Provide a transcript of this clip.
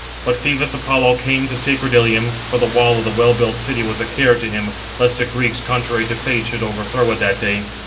But Phoebus Apollo came to sacred Ilium; for the wall of the well built city was a care to him, lest the Greeks, contrary to fate, should overthrow it that day.